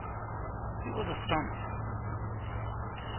He was astonished. 'What!